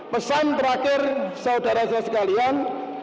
pesan terakhir saudaranya sekalian